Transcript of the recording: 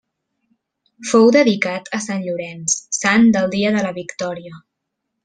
Fou dedicat a Sant Llorenç, sant del dia de la victòria.